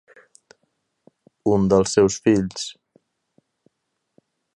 Un dels seus fills.